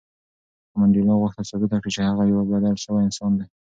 خو منډېلا غوښتل ثابته کړي چې هغه یو بدل شوی انسان دی.